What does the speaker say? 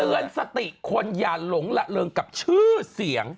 เตือนสติคนอย่าหลงละเริงกับชื่อเสียง